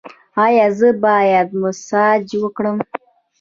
ایا زه باید مساج وکړم؟